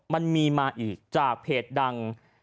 มันมีมาอีกจากเพจดัง